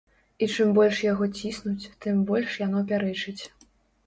І чым больш яго ціснуць, тым больш яно пярэчыць.